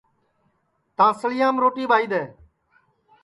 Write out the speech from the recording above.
تانٚسݪیام روٹی ٻائھی دؔے